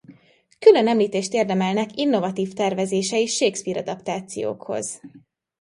Külön említést érdemelnek innovatív tervezései Shakespeare-adaptációkhoz.